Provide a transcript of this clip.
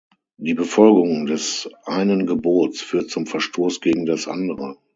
Die Befolgung des einen Gebots führt zum Verstoß gegen das andere.